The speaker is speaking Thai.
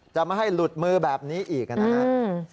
จะไม่ให้หลุดมือแบบนี้อีกนะครับ